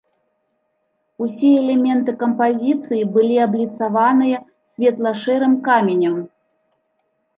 Усе элементы кампазіцыі былі абліцаваныя светла-шэрым каменем.